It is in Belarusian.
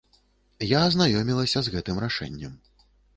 Я азнаёмілася з гэтым рашэннем.